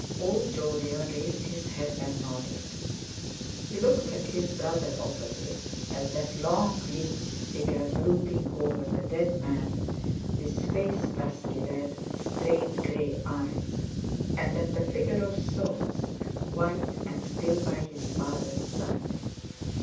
Old Jolyon raised his head and nodded. He looked at his brother opposite, at that long lean figure brooding over the dead man, with face dusky red, and strained grey eyes; and at the figure of Soames white and still by his father's side.